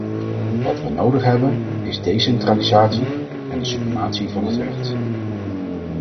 Wat we nodig hebben, is decentralisatie en de suprematie van het recht.